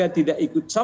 kita semakin aktif nih